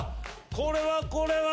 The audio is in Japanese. これはこれは。